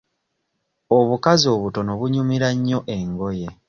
Obukazi obutono bunyumira nnyo engoye.